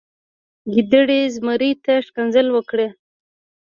ګیدړې زمري ته ښکنځلې وکړې.